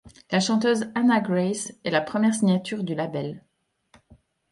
La chanteuse Hannah Grace est la première signature du label.